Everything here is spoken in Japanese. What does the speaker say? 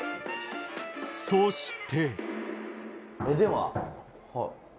そして。